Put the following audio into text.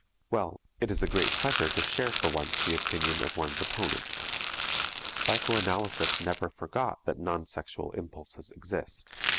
Well, it is a great pleasure to share for once the opinion of one's opponents. Psychoanalysis never forgot that non sexual impulses exist.